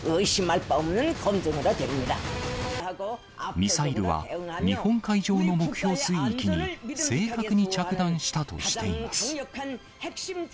ミサイルは日本海上の目標水域に、正確に着弾したとしています。